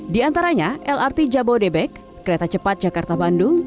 diantaranya lrt jabodetabek kereta cepat jakarta bandung